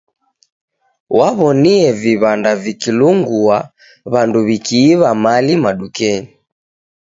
W'aw'onie iw'anda vikilungua, w'andu w'ikiiw'a mali madukenyi.